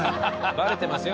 バレてますよ